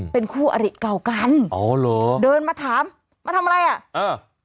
เป็นคู่อริเก่ากันอ๋อเหรอเดินมาถามมาทำอะไรอ่ะเออ